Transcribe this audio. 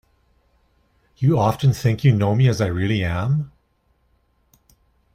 You often think you know me as I really am?